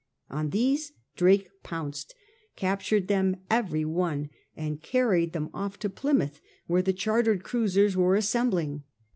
On these Drake pounced, paptured them every one and carried them off to Plymouth, where the chartered cniisers were assembling.